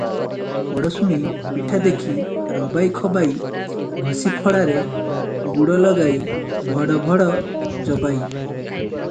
'ପଡ଼ୋଶୁଣୀ ପିଠା ଦେଖି ରବାଇ ଖବାଇ, ଘଷିଫଡାରେ ଗୁଡ ଲଗାଇ ଭଡ଼ ଭଡ଼ ଚୋବାଇ ।'